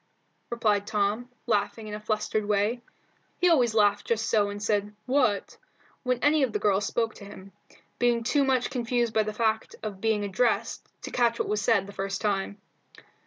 replied Tom, laughing in a flustered way. He always laughed just so and said "what?" when any of the girls spoke to him, being too much confused by the fact of being addressed to catch what was said the first time.